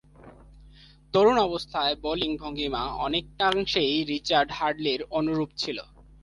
তরুণ অবস্থায় তার বোলিং ভঙ্গীমা অনেকাংশেই রিচার্ড হ্যাডলি’র অনুরূপ ছিল।